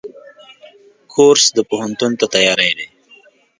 کورس د پوهنتون ته تیاری دی.